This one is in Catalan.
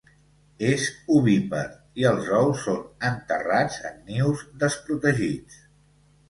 És ovípar i els ous són enterrats en nius desprotegits.